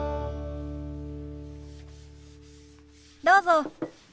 どうぞ。